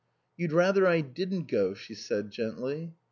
"You'd rather I didn't go," she said gently.